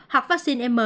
hoặc vaccine mrna